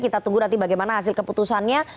kita tunggu nanti bagaimana hasil keputusannya